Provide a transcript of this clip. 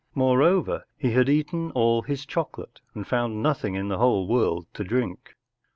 More¬ over, he had eaten all his chocolate and found nothing in the w'hole world to drink.